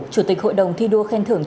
chủ tịch hội đồng thi đua khen thưởng